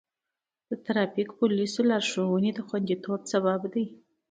د ټرافیک پولیسو لارښوونې د خوندیتوب سبب دی.